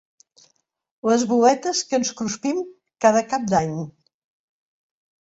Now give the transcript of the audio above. Les boletes que ens cruspim cada cap d'any.